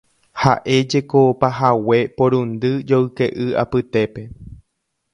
Ha'éjeko pahague porundy joyke'y apytépe.